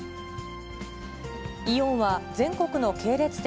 イオンは全国の系列店